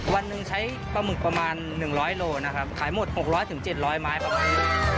วันหนึ่งใช้ปลาหมึกประมาณ๑๐๐โลนะครับขายหมด๖๐๐๗๐๐ไม้ประมาณนี้